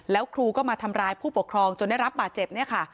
แล้วครูก็มาทำร้ายผู้ปกครองจนได้รับบาดเจ็บเนี่ยค่ะ